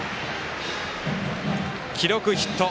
記録ヒット。